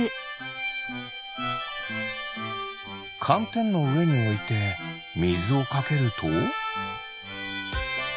かんてんのうえにおいてみずをかけると？